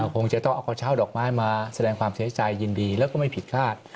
คงจะต้องเอากระเช้าดอกไม้มาแสดงความเสียใจยินดีแล้วก็ไม่ผิดพลาด